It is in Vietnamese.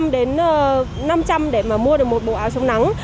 hai trăm linh đến năm trăm linh để mà mua được một bộ áo chống nắng